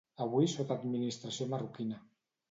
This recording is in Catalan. Avui sota administració marroquina.